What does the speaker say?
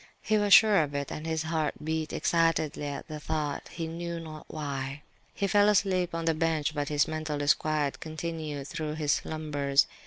He was sure of it, and his heart beat excitedly at the thought, he knew not why. He fell asleep on the bench; but his mental disquiet continued through his slumbers.